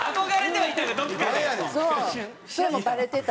それもバレてた。